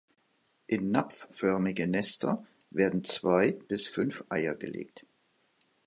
In napfförmige Nester werden zwei bis fünf Eier gelegt.